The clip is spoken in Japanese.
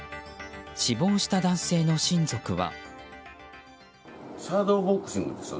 死亡した男性の親族は。